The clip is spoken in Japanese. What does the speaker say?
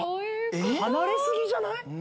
離れ過ぎじゃない？